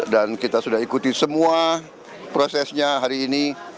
dan kita sudah ikuti semua prosesnya hari ini